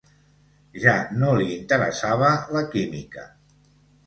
Ja no li interessava la química.